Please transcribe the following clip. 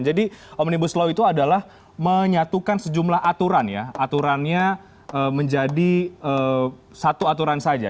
jadi omnibus law itu adalah menyatukan sejumlah aturan ya aturannya menjadi satu aturan saja